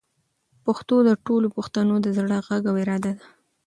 پښتو د ټولو پښتنو د زړه غږ او اراده ده.